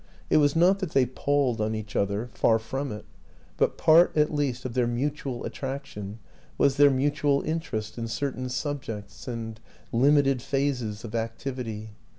It was not that they palled on each other far from it; but part at least of their mutual attraction was their mutual interest in certain subjects and limited phases of activity.